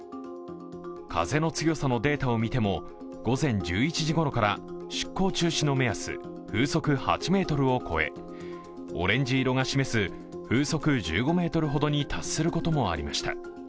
風の強さのデータを見ても午前１１時ごろから出航中止の目安、風速８メートルを超え、オレンジ色が示す風速１５メートルほどに達することもありました。